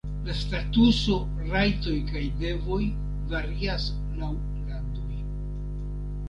La statuso, rajtoj kaj devoj varias laŭ landoj.